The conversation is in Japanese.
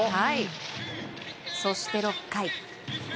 そして、６回。